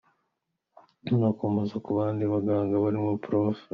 Anakomoza ku bandi baganga barimo Prof.